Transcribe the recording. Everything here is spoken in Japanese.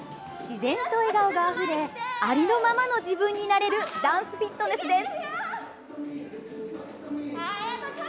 自然と笑顔があふれありのままの自分になれるダンスフィットネスです。